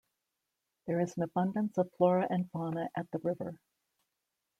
There is an abundance of flora and fauna at the river.